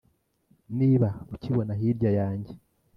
Niba ukibona hirya yanjye